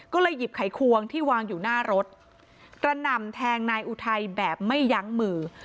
ก็เลยหยิบไขควงที่วางอยู่หน้ารถกระหน่ำแทงนายอุทัยแบบไม่ยั้งมือ